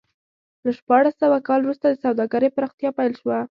له شپاړس سوه کال وروسته د سوداګرۍ پراختیا پیل شو.